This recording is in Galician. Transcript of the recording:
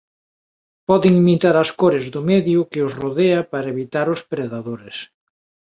Poden imitar as corres do medio que os rodea para evitar os predadores.